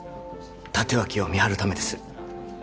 立脇を見張るためです